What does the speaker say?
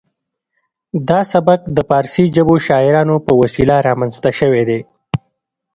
دا سبک د پارسي ژبو شاعرانو په وسیله رامنځته شوی دی